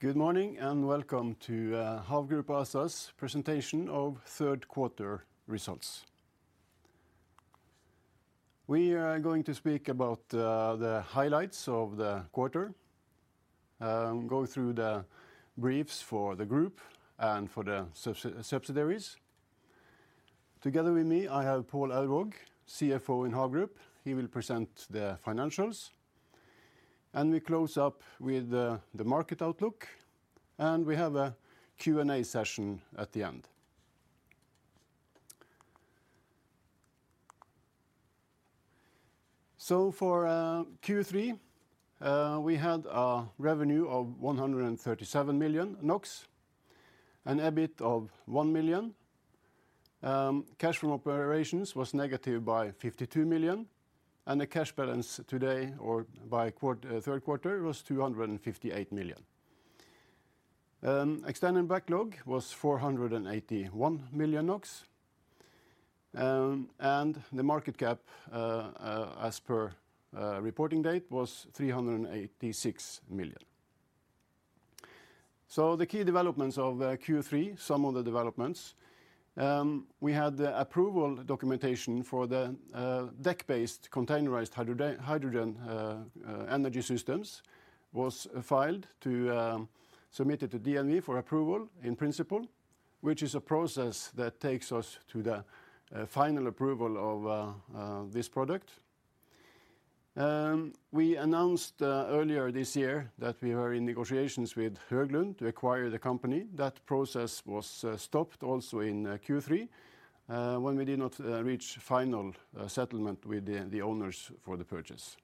Good morning, and welcome to HAV Group ASA's presentation of third quarter results. We are going to speak about the highlights of the quarter, go through the briefs for the group and for the subsidiaries. Together with me, I have Pål Aurvåg, CFO in HAV Group. He will present the financials. We close up with the market outlook, and we have a Q&A session at the end. For Q3, we had a revenue of 137 million NOK, an EBIT of 1 million, cash from operations was negative by 52 million, and the cash balance today or by third quarter was 258 million. Extended backlog was 481 million NOK, and the market cap as per reporting date was 386 million. The key developments of Q3, some of the developments, we had the approval documentation for the deck-based containerized hydrogen energy systems was filed to submitted to DNV for Approval in Principle, which is a process that takes us to the final approval of this product. We announced earlier this year that we were in negotiations with Høglund to acquire the company. That process was stopped also in Q3 when we did not reach final settlement with the owners for the purchase.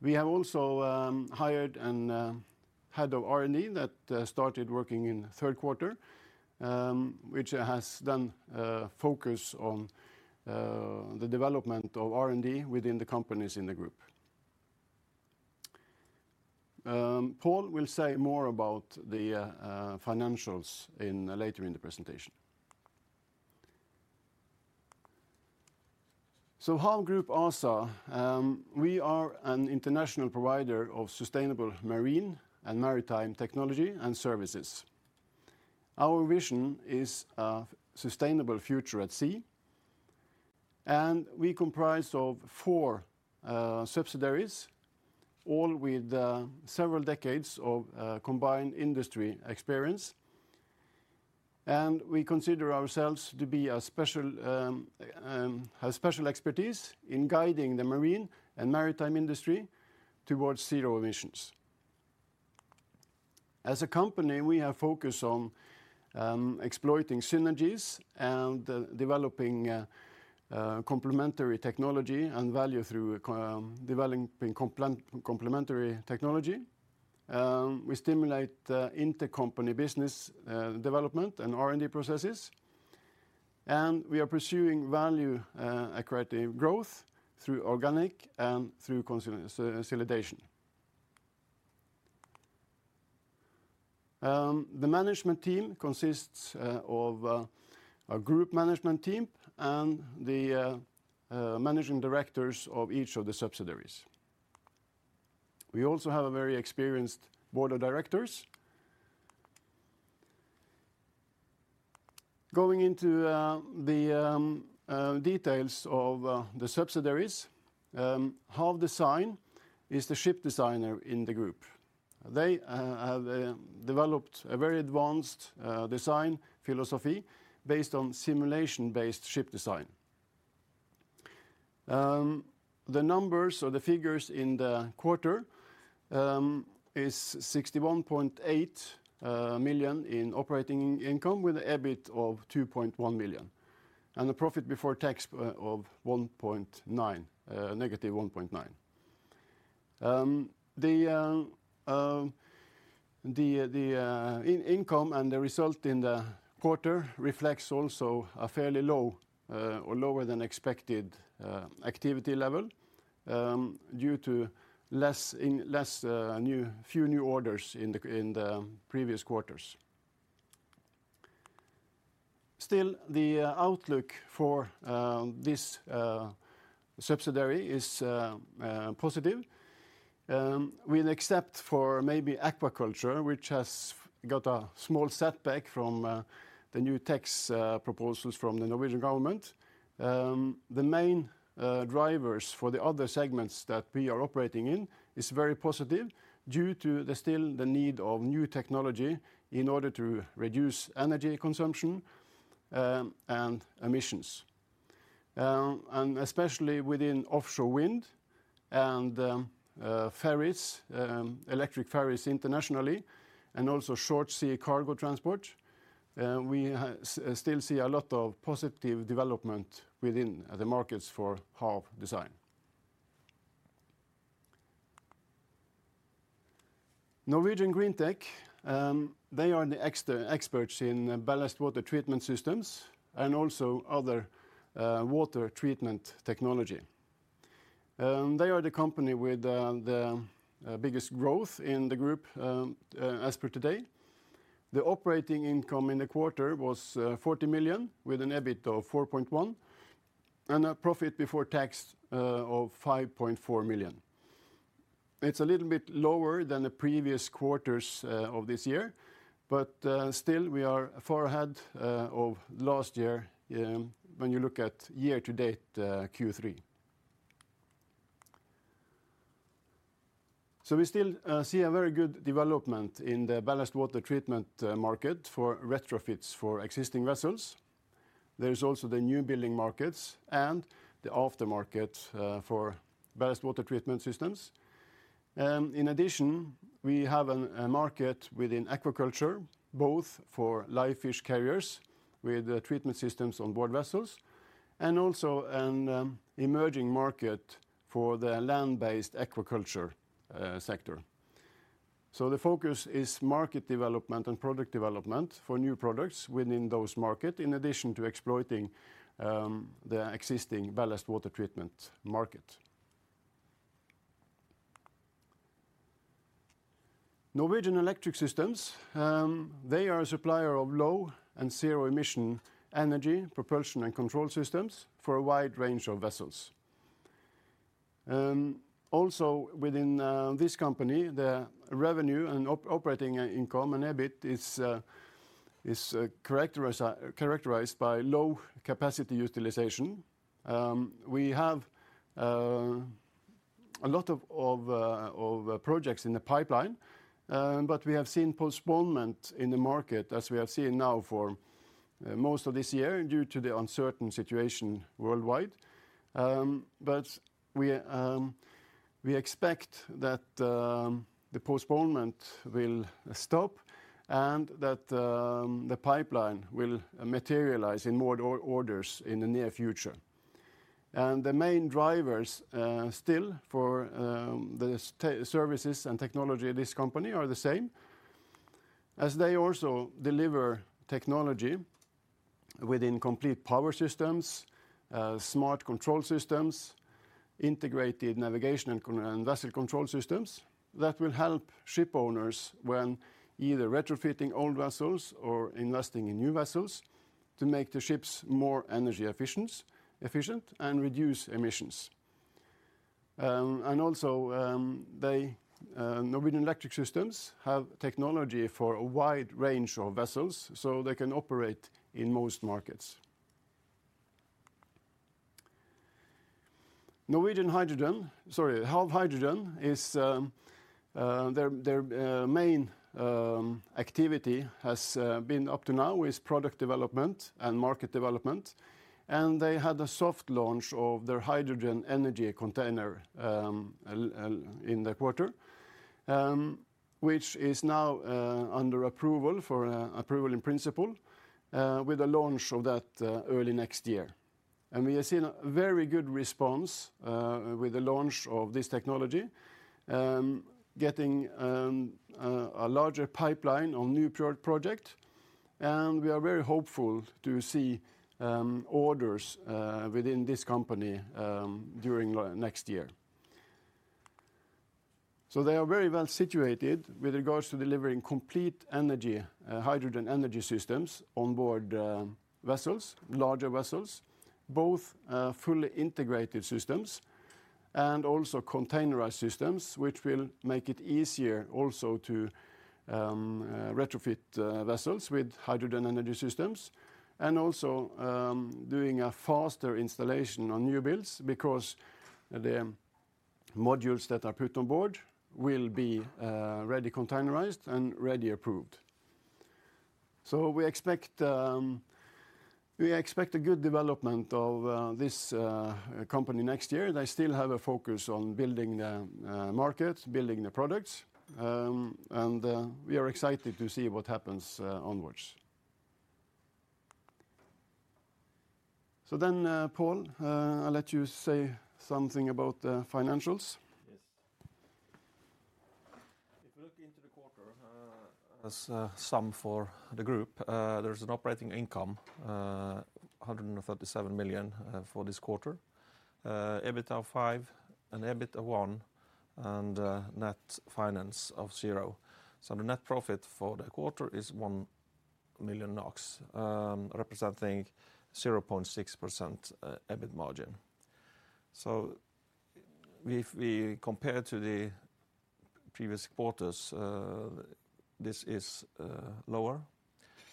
We have also hired an head of R&D that started working in the third quarter, which has done focus on the development of R&D within the companies in the group. Pål will say more about the financials later in the presentation. HAV Group ASA, we are an international provider of sustainable marine and maritime technology and services. Our vision is a sustainable future at sea. We comprise of four subsidiaries, all with several decades of combined industry experience. We consider ourselves to be a special expertise in guiding the marine and maritime industry towards zero emissions. As a company, we are focused on exploiting synergies and developing complementary technology and value through developing complementary technology. We stimulate intercompany business development and R&D processes. We are pursuing value accretive growth through organic and through consolidation. The management team consists of a group management team and the managing directors of each of the subsidiaries. We also have a very experienced board of directors. Going into the details of the subsidiaries, HAV Design is the ship designer in the group. They have developed a very advanced design philosophy based on simulation-based ship design. The numbers or the figures in the quarter is 61.8 million in operating income with a EBIT of 2.1 million and a profit before tax of negative 1.9 million. The income and the result in the quarter reflects also a fairly low or lower than expected activity level due to less new, few new orders in the previous quarters. Still, the outlook for this subsidiary is positive. With except for maybe aquaculture, which has got a small setback from the new tax proposals from the Norwegian government. The main drivers for the other segments that we are operating in is very positive due to the still the need of new technology in order to reduce energy consumption and emissions. Especially within offshore wind and electric ferries internationally, and also short sea cargo transport, we still see a lot of positive development within the markets for HAV Design. Norwegian Greentech, they are the experts in ballast water treatment systems and also other water treatment technology. They are the company with the biggest growth in the group as per today. The operating income in the quarter was 40 million with an EBIT of 4.1, and a profit before tax of 5.4 million. It's a little bit lower than the previous quarters of this year, still we are far ahead of last year when you look at year-to-date Q3. We still see a very good development in the ballast water treatment market for retrofits for existing vessels. There is also the new building markets and the aftermarket for ballast water treatment systems. In addition, we have a market within aquaculture, both for live fish carriers with treatment systems on board vessels and also an emerging market for the land-based aquaculture sector. The focus is market development and product development for new products within those market, in addition to exploiting the existing ballast water treatment market. Norwegian Electric Systems, they are a supplier of low and zero emission energy, propulsion, and control systems for a wide range of vessels. Also within this company, the revenue and operating income and EBIT is characterized by low capacity utilization. We have a lot of projects in the pipeline, but we have seen postponement in the market as we have seen now for most of this year due to the uncertain situation worldwide. We expect that the postponement will stop and that the pipeline will materialize in more orders in the near future. The main drivers still for the services and technology of this company are the same, as they also deliver technology within complete power systems, smart control systems, integrated navigation and vessel control systems that will help ship owners when either retrofitting old vessels or investing in new vessels to make the ships more energy efficient and reduce emissions. Norwegian Electric Systems have technology for a wide range of vessels, so they can operate in most markets. Norwegian Hydrogen, sorry, HAV Hydrogen is their main activity has been up to now is product development and market development. They had a soft launch of their hydrogen energy container in the quarter, which is now under approval for Approval in Principle with the launch of that early next year. We have seen a very good response with the launch of this technology, getting a larger pipeline on new project. We are very hopeful to see orders within this company during next year. They are very well situated with regards to delivering complete energy, hydrogen energy systems on board vessels, larger vessels, both fully integrated systems and also containerized systems, which will make it easier also to retrofit vessels with hydrogen energy systems and also doing a faster installation on new builds because the modules that are put on board will be ready containerized and ready approved. We expect a good development of this company next year. They still have a focus on building the markets, building the products. We are excited to see what happens onwards. Pål, I'll let you say something about financials. Yes. If we look into the quarter, as a sum for the group, there's an operating income, 137 million for this quarter, EBITDA of 5 and EBIT of 1, net finance of 0. The net profit for the quarter is 1 million NOK, representing 0.6% EBIT margin. If we compare to the previous quarters, this is lower.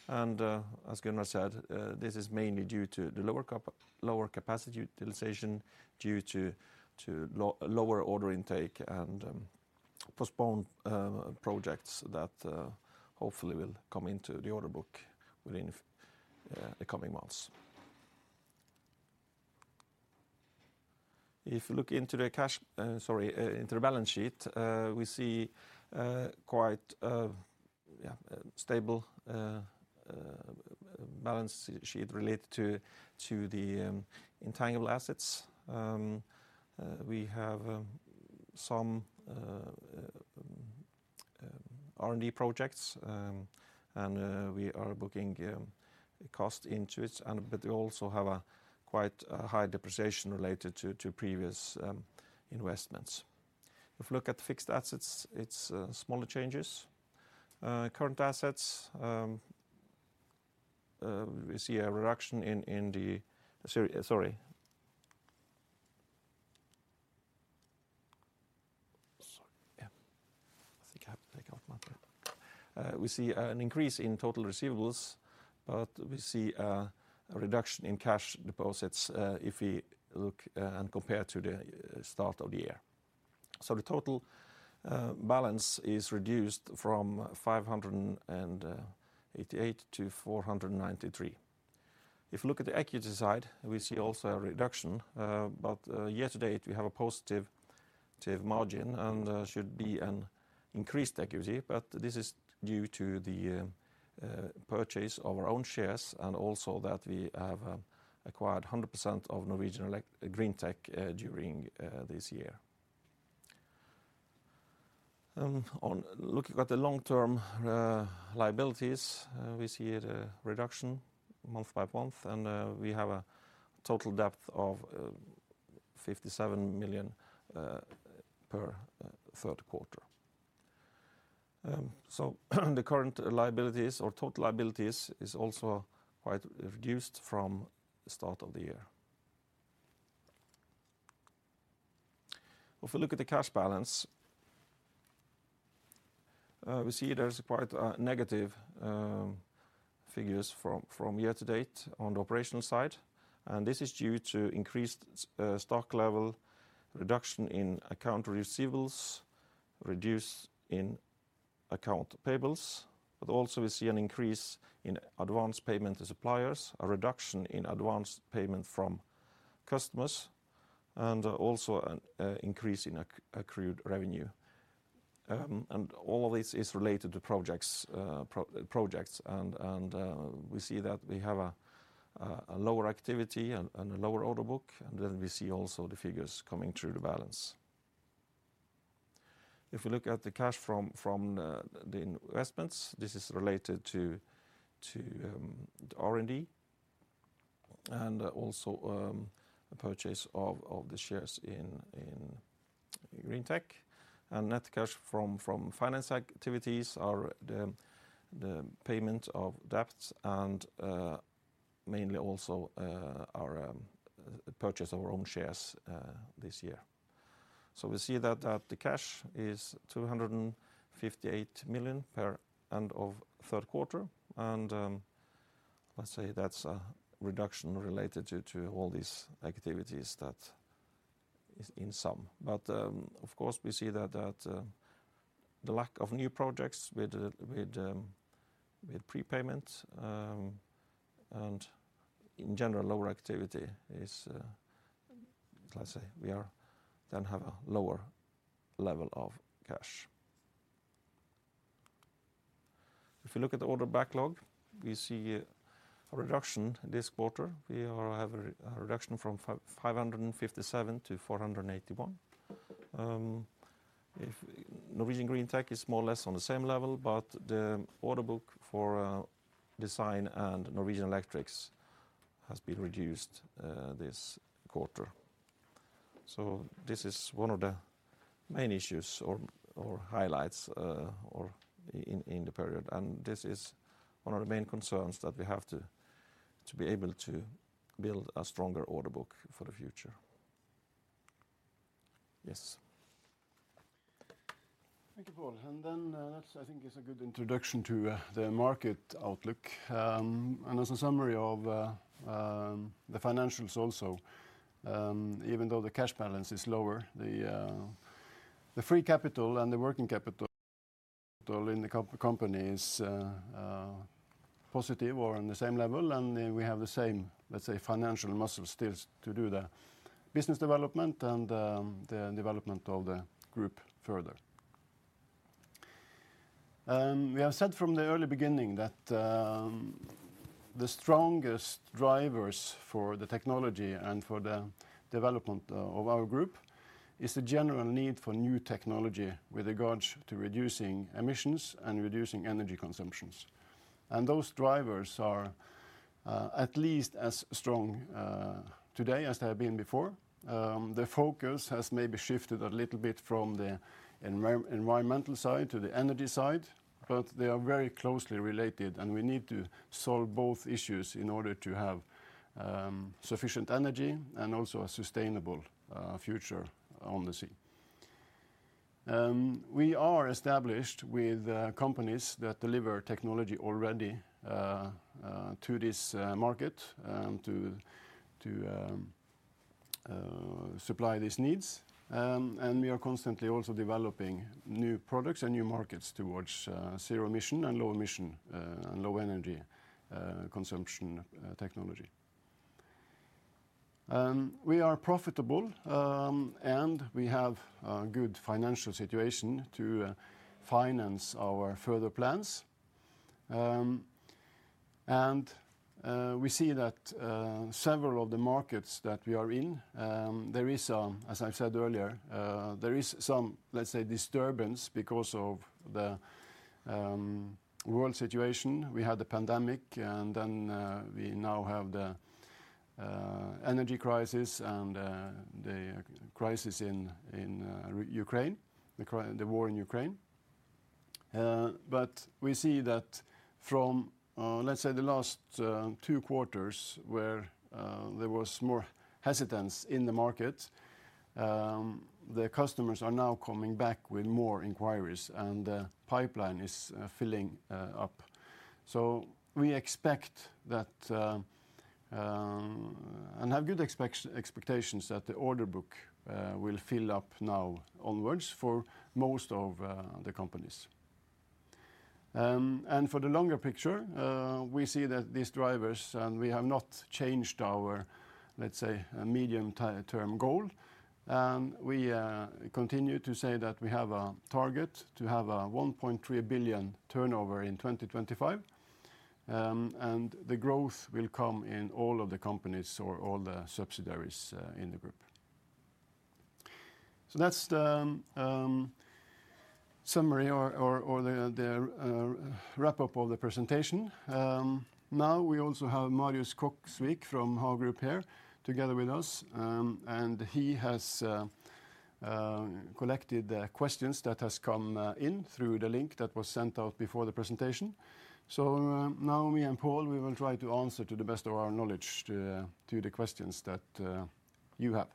As Gunnar said, this is mainly due to lower capacity utilization due to lower order intake and postponed projects that hopefully will come into the order book within the coming months. If you look into the cash, sorry, into the balance sheet, we see quite, yeah, stable balance sheet related to the intangible assets. We have some R&D projects, and we are booking cost into it and but we also have a quite high depreciation related to previous investments. If you look at fixed assets, it's smaller changes. Current assets, we see a reduction in the. Sorry. Sorry. Yeah. I think I have to take off my pen. We see an increase in total receivables, but we see a reduction in cash deposits if we look and compare to the start of the year. The total balance is reduced from 588 to 493. If you look at the equity side, we see also a reduction, but year-to-date we have a positive margin and should be an increased equity, but this is due to the purchase of our own shares and also that we have acquired 100% of Norwegian Greentech during this year. Looking at the long-term liabilities, we see the reduction month-by-month, and we have a total depth of 57 million per third quarter. The current liabilities or total liabilities is also quite reduced from the start of the year. If we look at the cash balance, we see there's quite negative figures from year to date on the operational side. This is due to increased stock level, reduction in account receivables, reduce in account payables. Also we see an increase in advanced payment to suppliers, a reduction in advanced payment from customers, and also an increase in accrued revenue. All of this is related to projects, and we see that we have a lower activity and a lower order book. Then we see also the figures coming through the balance. If we look at the cash from the investments, this is related to the R&D and also a purchase of the shares in Greentech. Net cash from finance activities are the payment of debts and mainly also our purchase of our own shares this year. We see that the cash is 258 million per end of third quarter, and let's say that's a reduction related due to all these activities that is in sum. Of course, we see that the lack of new projects with prepayment and in general lower activity is let's say we then have a lower level of cash. If you look at the order backlog, we see a reduction this quarter. We have a reduction from 557 to 481. Norwegian Greentech is more or less on the same level, but the order book for Design and Norwegian Electric Systems has been reduced this quarter. This is one of the main issues or highlights, or in the period, and this is one of the main concerns that we have to be able to build a stronger order book for the future. Yes. Thank you, Pål. That I think is a good introduction to the market outlook. As a summary of the financials also, even though the cash balance is lower, the free capital and the working capital in the company is positive or on the same level, and we have the same, let's say, financial muscle still to do the business development and the development of the group further. We have said from the early beginning that the strongest drivers for the technology and for the development of our group is the general need for new technology with regards to reducing emissions and reducing energy consumptions. Those drivers are at least as strong today as they have been before. The focus has maybe shifted a little bit from the environmental side to the energy side, they are very closely related, we need to solve both issues in order to have sufficient energy and also a sustainable future on the sea. We are established with companies that deliver technology already to this market to supply these needs, we are constantly also developing new products and new markets towards zero emission and low emission and low energy consumption technology. We are profitable, we have a good financial situation to finance our further plans. We see that several of the markets that we are in, there is, as I said earlier, there is some, let's say, disturbance because of the world situation. We had the pandemic. We now have the energy crisis and the crisis in Ukraine, the war in Ukraine. We see that from, let's say the last two quarters where there was more hesitance in the market, the customers are now coming back with more inquiries, and the pipeline is filling up. We expect that. HAVe good expectations that the order book will fill up now onwards for most of the companies. For the longer picture, we see that these drivers, we have not changed our, let's say, medium-term goal. We continue to say that we have a target to have a 1.3 billion turnover in 2025, and the growth will come in all of the companies or all the subsidiaries in the group. That's the summary or the wrap up of the presentation. Now we also have Marius Koksvik from HAV Group here together with us, and he has collected the questions that has come in through the link that was sent out before the presentation. Now me and Pål Aurvåg, we will try to answer to the best of our knowledge to the questions that you have.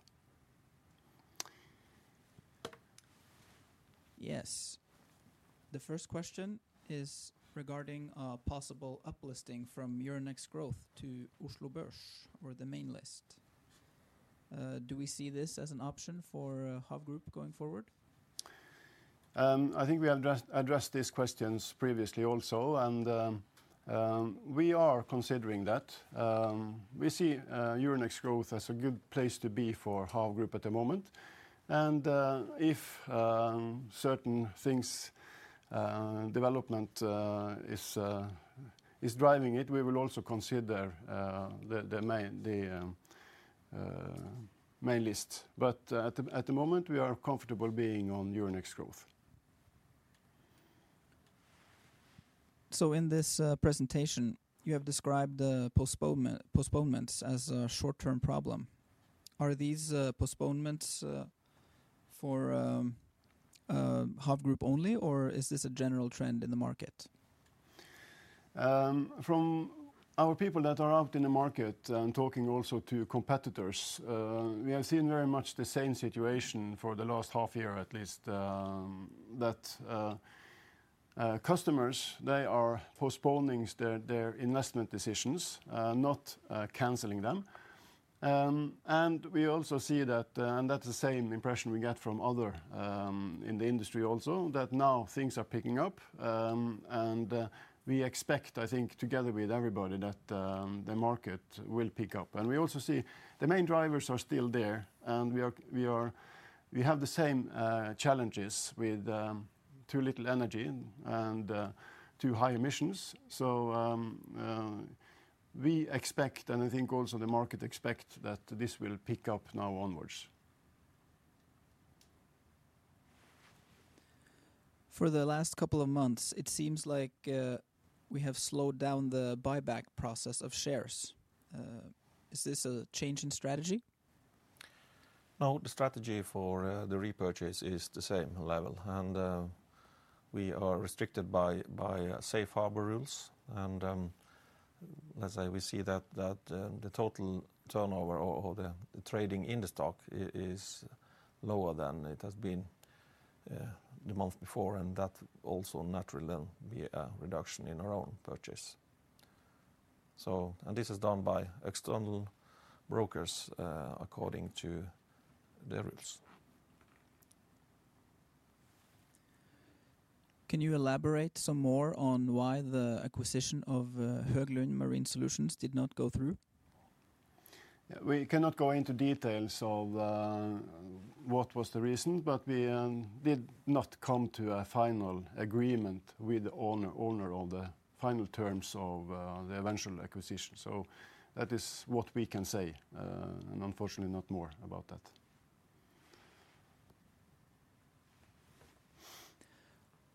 Yes. The first question is regarding a possible uplisting from Euronext Growth to Oslo Børs or the main list. Do we see this as an option for HAV Group going forward? I think we addressed these questions previously also, and we are considering that. We see Euronext Growth as a good place to be for HAV Group at the moment, and if certain things development is driving it, we will also consider the main list. At the moment, we are comfortable being on Euronext Growth. In this presentation, you have described the postponements as a short-term problem. Are these postponements for HAV Group only, or is this a general trend in the market? From our people that are out in the market and talking also to competitors, we have seen very much the same situation for the last half year at least, that customers, they are postponing their investment decisions, not canceling them. We also see that, and that's the same impression we get from other in the industry also, that now things are picking up. We expect, I think, together with everybody, that the market will pick up. We also see the main drivers are still there, and we are, we have the same challenges with too little energy and too high emissions. We expect, and I think also the market expect, that this will pick up now onwards. For the last couple of months, it seems like, we have slowed down the buyback process of shares. Is this a change in strategy? No, the strategy for the repurchase is the same level, and we are restricted by safe harbor rules. Let's say we see that the total turnover or the trading in the stock is lower than it has been the month before, and that also naturally will be a reduction in our own purchase. So, this is done by external brokers, according to their rules. Can you elaborate some more on why the acquisition of Høglund Marine Solutions did not go through? Yeah. We cannot go into details of what was the reason, but we did not come to a final agreement with the owner of the final terms of the eventual acquisition. That is what we can say, and unfortunately not more about that.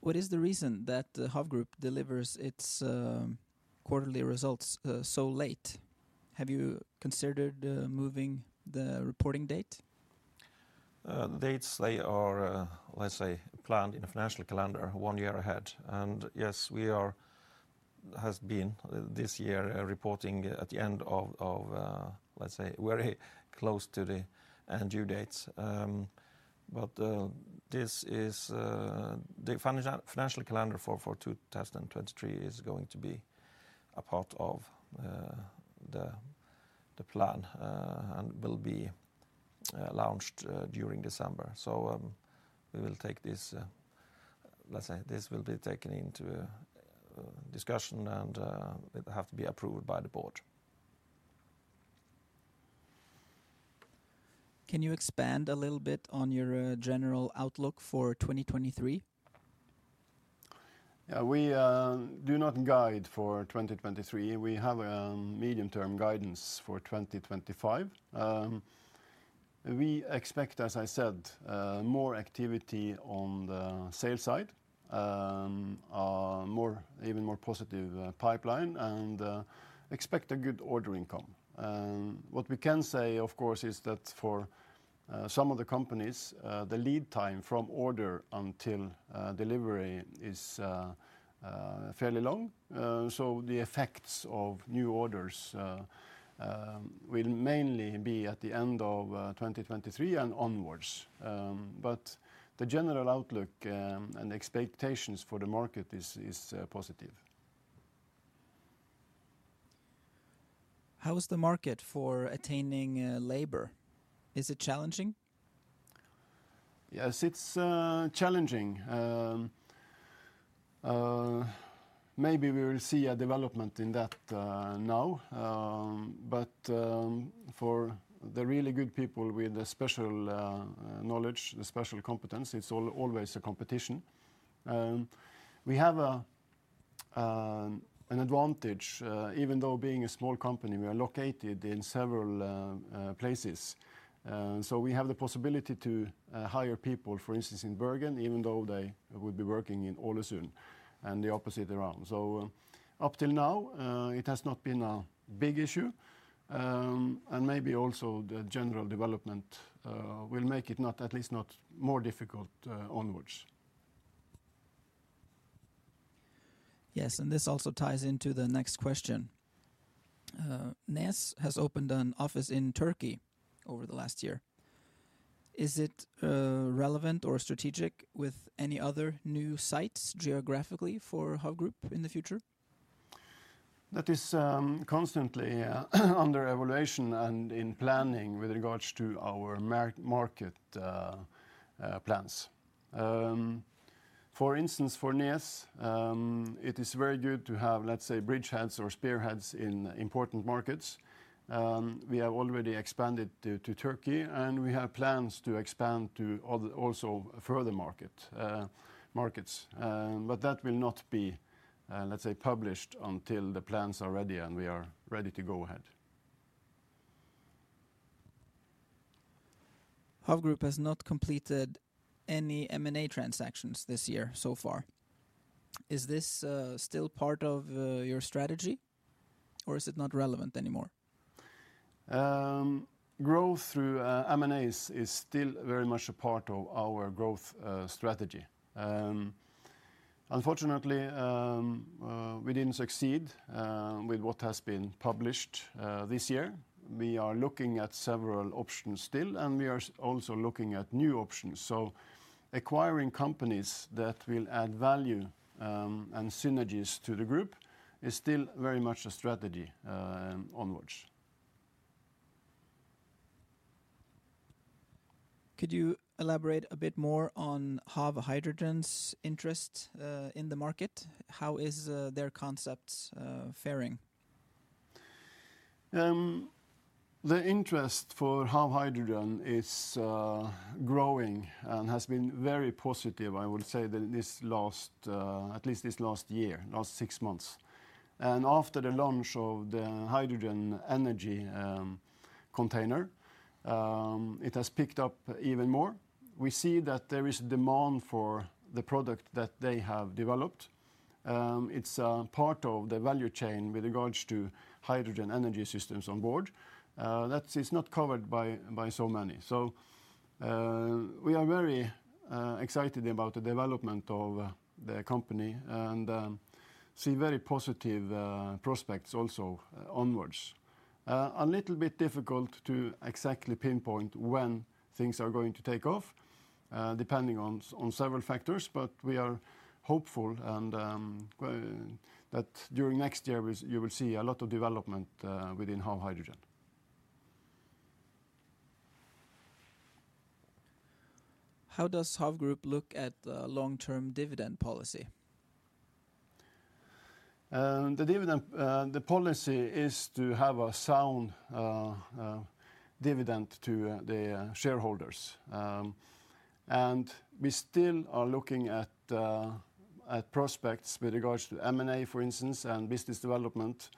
What is the reason that the HAV Group delivers its quarterly results so late? HAVe you considered moving the reporting date? The dates, they are, let's say, planned in a financial calendar one year ahead. Yes, we has been this year reporting at the end of, let's say, very close to the due dates. But this is, the financial calendar for 2023 is going to be a part of, the plan, and will be, launched during December. We will take this, let's say, this will be taken into discussion and, it have to be approved by the board. Can you expand a little bit on your general outlook for 2023? Yeah. We do not guide for 2023. We have a medium-term guidance for 2025. We expect, as I said, more activity on the sales side, even more positive pipeline and expect a good order income. What we can say, of course, is that for some of the companies, the lead time from order until delivery is fairly long. So the effects of new orders will mainly be at the end of 2023 and onwards. But the general outlook and expectations for the market is positive. How is the market for attaining labor? Is it challenging? Yes, it's challenging. Maybe we will see a development in that now, for the really good people with the special knowledge, the special competence, it's always a competition. We have an advantage, even though being a small company, we are located in several places. We have the possibility to hire people, for instance, in Bergen even though they would be working in Ålesund and the opposite around. Up till now, it has not been a big issue, and maybe also the general development will make it not, at least not more difficult, onwards. This also ties into the next question. NES has opened an office in Turkey over the last year. Is it relevant or strategic with any other new sites geographically for HAV Group in the future? That is, constantly, yeah, under evaluation and in planning with regards to our market plans. For instance, for NES, it is very good to have, let's say, bridge heads or spear heads in important markets. We have already expanded to Turkey. We have plans to expand to also further markets. That will not be, let's say, published until the plans are ready and we are ready to go ahead. HAV Group has not completed any M&A transactions this year so far. Is this still part of your strategy, or is it not relevant anymore? Growth through M&A is still very much a part of our growth strategy. Unfortunately, we didn't succeed with what has been published this year. We are looking at several options still, and we are also looking at new options. Acquiring companies that will add value and synergies to the group is still very much a strategy onwards. Could you elaborate a bit more on HAV Hydrogen's interest in the market? How is their concepts fairing? The interest for HAV Hydrogen is growing and has been very positive, I would say that this last, at least this last year, last six months. After the launch of the hydrogen energy container, it has picked up even more. We see that there is demand for the product that they have developed. It's a part of the value chain with regards to hydrogen energy systems on board that is not covered by so many. We are very excited about the development of the company and see very positive prospects also onwards. A little bit difficult to exactly pinpoint when things are going to take off, depending on several factors, but we are hopeful that during next year, you will see a lot of development within HAV Hydrogen. How does HAV Group look at the long-term dividend policy? The dividend, the policy is to have a sound dividend to the shareholders. We still are looking at prospects with regards to M&A, for instance, and business development,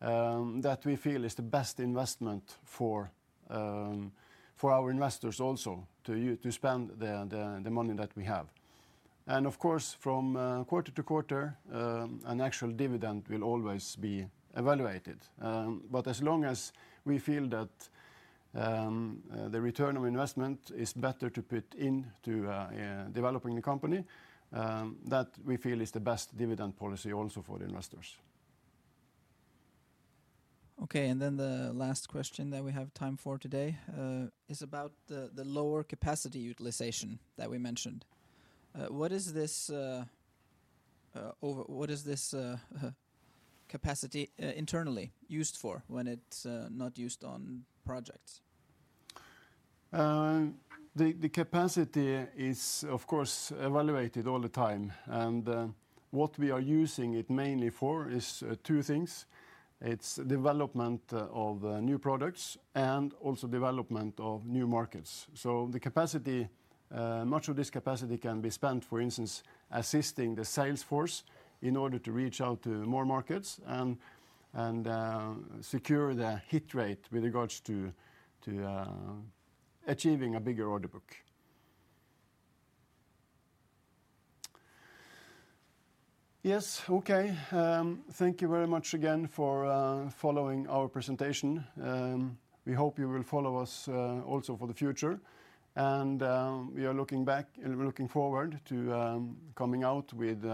that we feel is the best investment for our investors also to spend the money that we have. Of course, from quarter to quarter, an actual dividend will always be evaluated. As long as we feel that the return of investment is better to put into developing the company, that we feel is the best dividend policy also for the investors. Okay, the last question that we have time for today is about the lower capacity utilization that we mentioned. What is this capacity internally used for when it's not used on projects? The capacity is, of course, evaluated all the time, and what we are using it mainly for is two things. It's development of new products and also development of new markets. The capacity, much of this capacity can be spent, for instance, assisting the sales force in order to reach out to more markets and secure the hit rate with regards to achieving a bigger order book. Yes, okay. Thank you very much again for following our presentation. We hope you will follow us also for the future. We are looking back, and we're looking forward to coming out with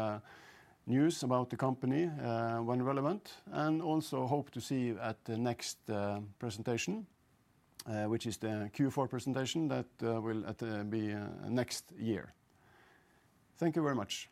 news about the company when relevant, and also hope to see you at the next presentation, which is the Q4 presentation that will be next year. Thank you very much.